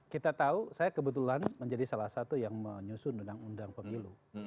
kita tahu saya kebetulan menjadi salah satu yang menyusun undang undang pemilu